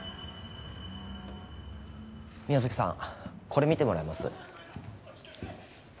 宮崎さんこれ見てもらえます？